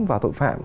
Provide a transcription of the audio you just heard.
và tội phạm